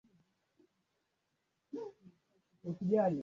Ingawa simba walikuwa wanawindwa zamani